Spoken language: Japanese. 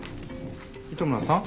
糸村さん？